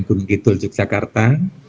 gunung kidul yogyakarta